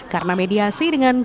karena mediasi dengan cinta